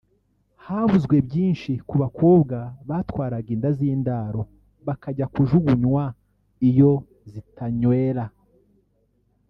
havuzwe byinshi ku bakobwa batwaraga inda z’indaro bakajya kujugunywa iyo zitanywera